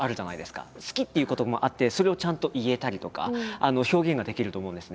「好き」っていうこともあってそれをちゃんと言えたりとか表現ができると思うんですね。